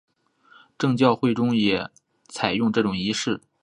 正教会中也采用这种仪式。